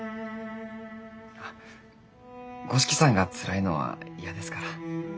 あっ五色さんがつらいのは嫌ですから。